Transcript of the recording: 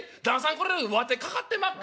これわてかかってまっか？」。